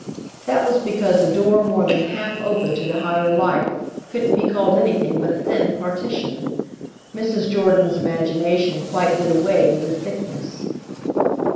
—that was because a door more than half open to the higher life couldn't be called anything but a thin partition. Mrs. Jordan's imagination quite did away with the thickness.